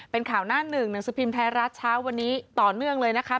เป็นข่าวหน้าหนึ่งหนังสือพิมพ์ไทยรัฐเช้าวันนี้ต่อเนื่องเลยนะคะ